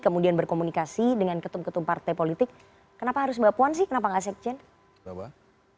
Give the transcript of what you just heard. kemudian berkomunikasi dengan ketum ketum partai politik kenapa harus mbak puan sih kenapa nggak sekjen